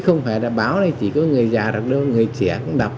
không phải là báo này chỉ có người già đọc đâu người trẻ cũng đọc